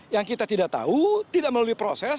yang kita tidak tahu tidak melalui proses